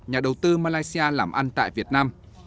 nhà đầu tư malaysia làm ăn tại việt nam